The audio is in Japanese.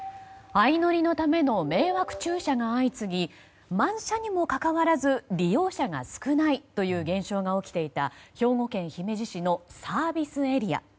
相乗りのための迷惑駐車が相次ぎ満車にもかかわらず利用者が少ないという現象が起きていた兵庫県姫路市のサービスエリア。